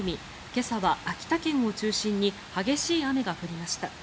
今朝は秋田県を中心に激しい雨が降りました。